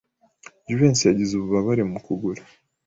Jivency yagize ububabare mu kuguru.